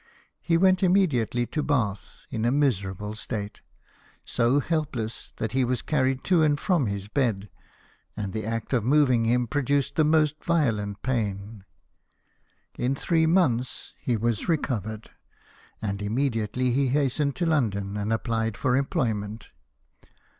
He went immediately to Bath, in a miserable state ; so helpless, that he was carried to and from his bed ; and the act of moving him pro duced the most violent pain. In three months he was recovered, and immediately he hastened to London, and applied for employment.